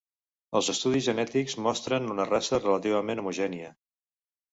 Els estudis genètics mostren una raça relativament homogènia.